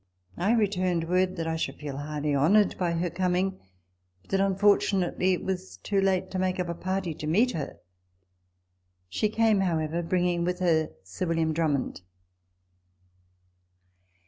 I returned word that I should feel highly honoured by her coming, but that unfortu nately it was too late to make up a party to meet her. She came, however, bringing with her Sir William Drummond.